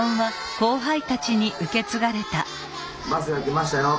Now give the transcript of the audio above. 「バスが来ましたよ。